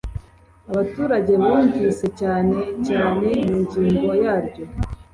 Abaturage bumvise cyane cyane mu ngingo yaryo